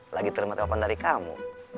lagi terima telepon dari kamu